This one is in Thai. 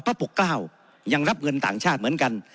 ปกเกล้ายังรับเงินต่างชาติเหมือนกัน